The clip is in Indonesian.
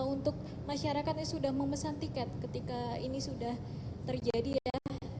untuk masyarakat yang sudah memesan tiket ketika ini sudah terjadi ya